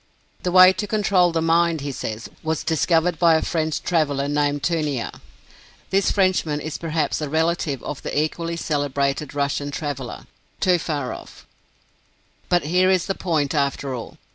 The way to control the mind, he says, was discovered by a French traveler named Tunear. This Frenchman is perhaps a relative of the equally celebrated Russian traveller, Toofaroff. But here is the point, after all.